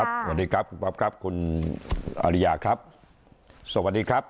สวัสดีครับคุณป๊อปครับคุณอริยาครับสวัสดีครับ